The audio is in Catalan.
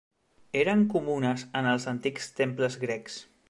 Eren comunes en els antics temples grecs.